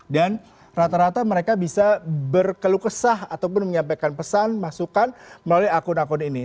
dan rata rata mereka bisa berkeluh kesah ataupun menyampaikan pesan masukan melalui akun akun ini